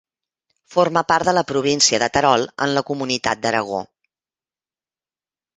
Forma part de la Província de Terol en la comunitat d'Aragó.